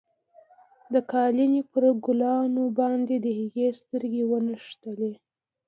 د قالینې پر ګلانو باندې د هغې سترګې ونښتې.